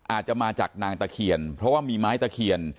อาจจะมาจากนางตะเคียนเพราะว่ามีไม้ตะเคียน